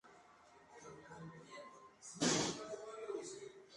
Se encuentra en el centro de la ciudad de Paderborn, Renania del Norte-Westfalia, Alemania.